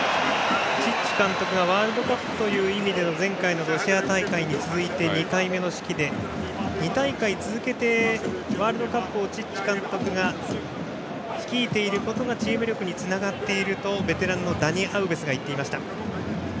チッチ監督がワールドカップという意味での前回のロシア大会に続いて２回目の指揮で２大会続けて、ワールドカップをチッチ監督が率いていることがチーム力につながっているとベテランのダニ・アウベスが言っていました。